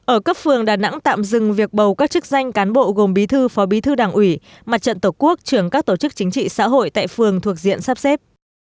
ở cấp phường đà nẵng tạm dừng việc bầu các chức danh cán bộ gồm bí thư phó bí thư đảng ủy mặt trận tổ quốc trưởng các tổ chức chính trị xã hội tại phường thuộc diện sắp xếp